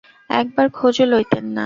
একবার খোঁজও লইতেন না।